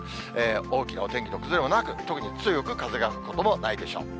大きなお天気の崩れはなく、特に強く風が吹くこともないでしょう。